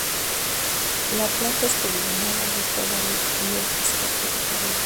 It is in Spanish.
La planta es poligonal, ajustada a los escarpes del terreno.